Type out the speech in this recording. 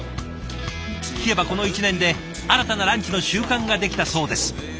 聞けばこの１年で新たなランチの習慣ができたそうです。